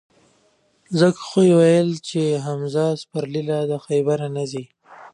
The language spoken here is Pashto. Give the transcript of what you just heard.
ځکه خو یې ویل چې: حمزه سپرلی لا د خیبره نه ځي.